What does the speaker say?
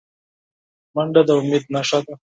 منډه د امید نښه ده